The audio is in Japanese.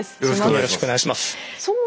よろしくお願いします。